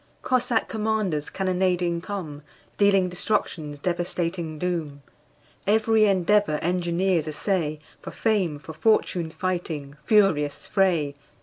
Cossack commanders cannonading come, Dealing destruction's devastating doom. Every endeavor engineers essay, For fame, for fortune fighting furious fray!